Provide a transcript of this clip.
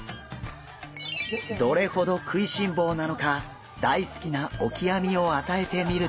どれほど食いしん坊なのか大好きなオキアミを与えてみると。